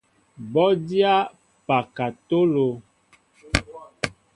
Bɔ dyá pakatolo.